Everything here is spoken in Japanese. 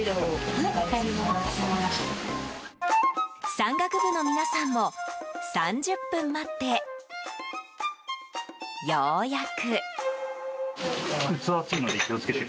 山岳部の皆さんも３０分待ってようやく。